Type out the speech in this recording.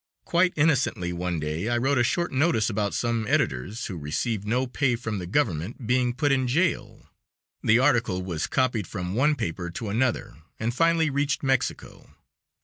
Quite innocently one day I wrote a short notice about some editors, who received no pay from the government, being put in jail. The article was copied from one paper to another, and finally reached Mexico.